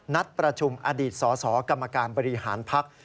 นัดประชุมอดีตสสกรรมการบริหารภักดิ์